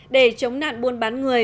để chống nạn buôn bán người